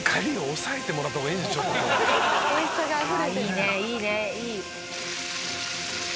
いいねいいねいい。